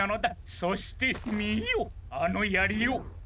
そしてみよあのやりを！